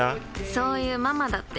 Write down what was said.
そういうママだって。